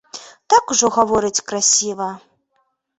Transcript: Так ужо гаворыць красіва.